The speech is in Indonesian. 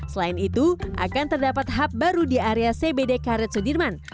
selain itu akan terdapat hub baru di area cbd karet sudirman